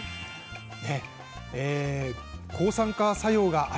抗酸化作用があります。